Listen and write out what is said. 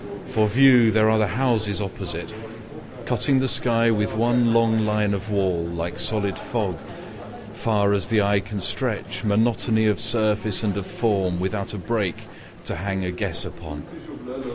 For view there are the houses oppositeCutting the sky with one long line of wallLike solid fog: far as the eye can stretchMonotony of surface & of formWithout a break to hang a guess upon.